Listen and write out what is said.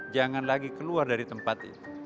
jangan lagi keluar dari tempat ini